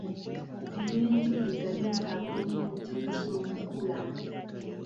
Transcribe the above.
Ebyenjigiriza byetaaga obuvujjirizi okukula.